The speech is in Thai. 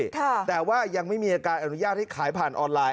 แต่ว่ายังไม่มีอาการอนุญาตให้ขายผ่านออนไลน์